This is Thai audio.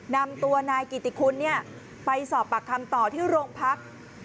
นำตัวนายกิติคุณไปสอบปากคำต่อที่โรงพัก